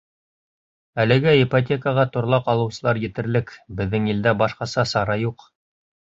Әлегә ипотекаға торлаҡ алыусылар етерлек, беҙҙең илдә башҡаса сара юҡ.